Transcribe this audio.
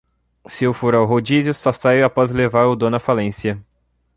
Se eu for ao rodízio, só saio após levar o dono à falência